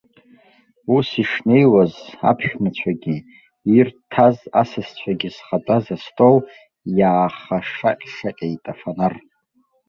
Ус ишнеиуаз, аԥшәмацәагьы, ирҭаз асасцәагьы зхатәаз астол иаахашаҟьшаҟьеит афанар.